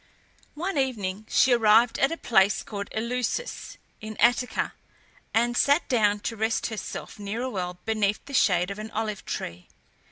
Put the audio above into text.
One evening she arrived at a place called Eleusis, in Attica, and sat down to rest herself near a well beneath the shade of an olive tree.